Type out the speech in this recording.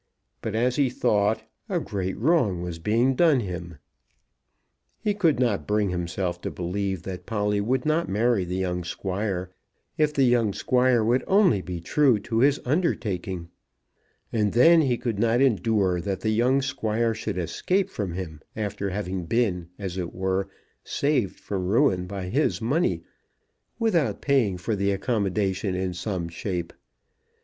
But, as he thought, a great wrong was being done him. He could not bring himself to believe that Polly would not marry the young Squire, if the young Squire would only be true to his undertaking; and then he could not endure that the young Squire should escape from him, after having been, as it were, saved from ruin by his money, without paying for the accommodation in some shape.